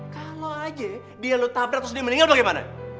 kalo aja dia lo tabrak terus dia meninggal gimana